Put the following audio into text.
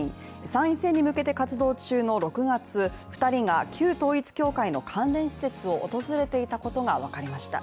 参院選に向けて活動中の６月、２人が旧統一教会の関連施設を訪れていたことが分かりました。